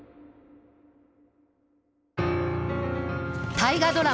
大河ドラマ